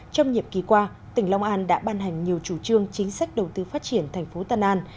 trong nhiệm kỳ qua tỉnh long an đã ban hành nhiều chủ trương chính sách đầu tư phát triển thành phố tân an